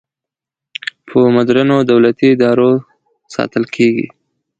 په مدرنو دولتي ادارو ساتل کیږي.